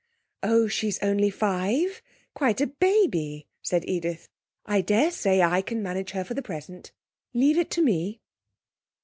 'Oh, she's only five, quite a baby,' said Edith. 'I daresay I can manage her for the present. Leave it to me.'